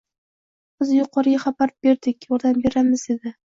— Biz yuqoriga xabar berdik, yordam beramiz, dedi.